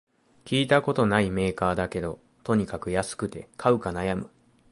聞いたことないメーカーだけど、とにかく安くて買うか悩む